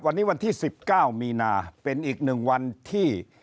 วันนี้วันที่๑๙มีนาเป็นอีกหนึ่งวันที่